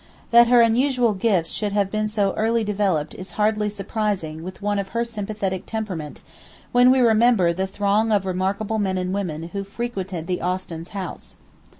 That her unusual gifts should have been so early developed is hardly surprising with one of her sympathetic temperament when we remember the throng of remarkable men and women who frequented the Austins' house.